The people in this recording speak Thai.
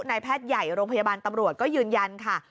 นายแพทย์ใหญ่โรงพยาบาลตำรวจก็ยืนยันค่ะ